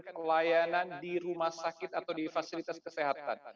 pelayanan di rumah sakit atau di fasilitas kesehatan